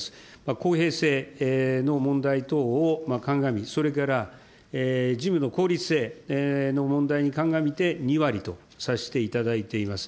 公平性の問題等を鑑み、それから事務の効率性の問題に鑑みて、２割とさせていただいています。